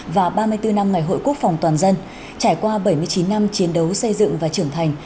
và ba mươi bốn năm ngày hội quốc phòng toàn dân trải qua bảy mươi chín năm chiến đấu xây dựng và trưởng thành